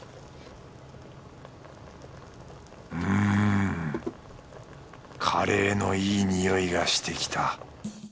うんカレーのいい匂いがしてきた。